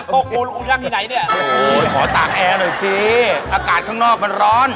โหขอตากแอร์หน่อยซิอากาศข้างนอกมันร้อน